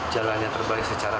jalannya terbaik secara